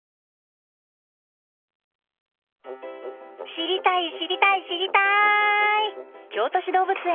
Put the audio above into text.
知りたい知りたい知りたい！